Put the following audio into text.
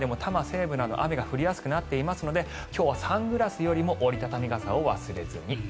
東京都内でも多摩西部など雨が降りやすくなっていますので今日はサングラスよりも折り畳み傘を忘れずに。